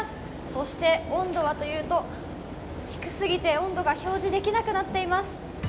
そして温度はというと、低すぎて温度が表示できなくなっています。